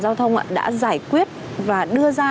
giao thông ạ đã giải quyết và đưa ra